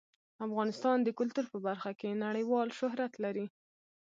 افغانستان د کلتور په برخه کې نړیوال شهرت لري.